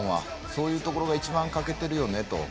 そういうところが一番欠けてるよねと。